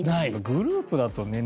グループだとね